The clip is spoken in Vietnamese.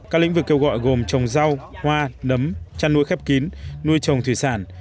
các lĩnh vực kêu gọi gồm trồng rau hoa nấm chăn nuôi khép kín nuôi trồng thủy sản